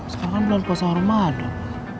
sekarang kan bulan puasa ramadan